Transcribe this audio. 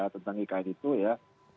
tentang ikn itu ya